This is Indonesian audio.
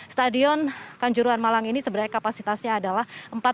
stadion kanjuruan malang ini sebenarnya kapasitasnya adalah empat puluh